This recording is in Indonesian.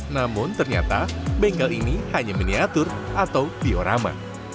namun ternyata bengkel ini hanya miniatur atau diorama